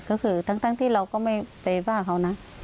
ก็คือทั้งที่เราก็ไม่ไปว่าเขานะ